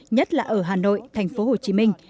nhất là ở hà nội thành phố hồ chí minh